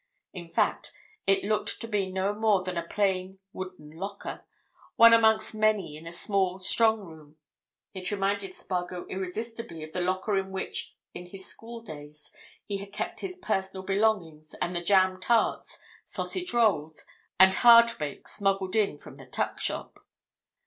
In fact, it looked to be no more than a plain wooden locker, one amongst many in a small strong room: it reminded Spargo irresistibly of the locker in which, in his school days, he had kept his personal belongings and the jam tarts, sausage rolls, and hardbake smuggled in from the tuck shop.